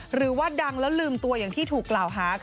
หรือว่าดังแล้วลืมตัวอย่างที่ถูกกล่าวหา